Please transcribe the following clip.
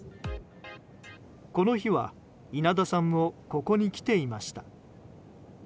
この日は稲田さんもここに来ていました。